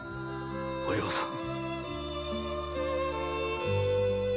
お葉さん。